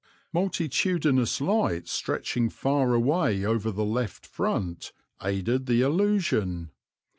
Multitudinous lights stretching far away over the left front, aided the illusion.